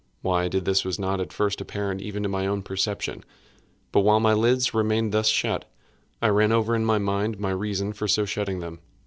Why I did this was not at first apparent even to my own perception. But while my lids remained thus shut, I ran over in my mind my reason for so shutting them.